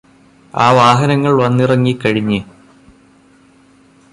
ആ വാഹനങ്ങള് വന്നിറങ്ങിക്കഴിഞ്ഞ്